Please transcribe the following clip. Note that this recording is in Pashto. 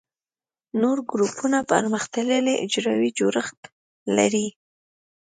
نور ګروپونه پرمختللي حجروي جوړښت لري.